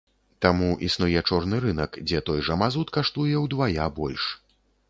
Таму існуе чорны рынак, дзе той жа мазут каштуе ўдвая больш.